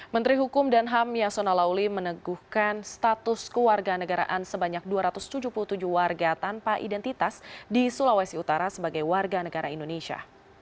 menteri hukum dan ham yasona lawli meneguhkan status keluarga negaraan sebanyak dua ratus tujuh puluh tujuh warga tanpa identitas di sulawesi utara sebagai warga negara indonesia